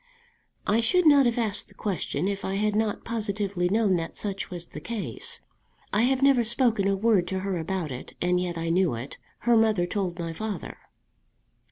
"I should not have asked the question if I had not positively known that such was the case. I have never spoken a word to her about it, and yet I knew it. Her mother told my father."